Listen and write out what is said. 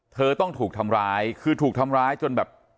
เธอต้องถูกทำร้ายคือถูกทำร้ายจนแบบ